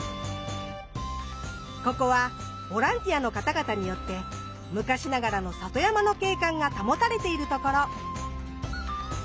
ここはボランティアの方々によって昔ながらの里山の景観が保たれている所。